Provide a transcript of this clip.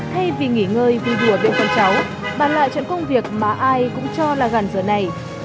thay vì nghỉ ngơi vui vùa về con cháu bà lại chọn công việc mà ai cũng cho là gần giờ này